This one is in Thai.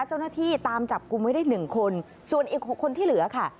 เจ้าหน้าที่ตามจับกลุ่มไว้ได้หนึ่งคนส่วนอีก๖คนที่เหลือค่ะ